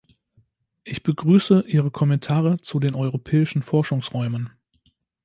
Ich begrüße Ihre Kommentare zu den europäischen Forschungsräumen.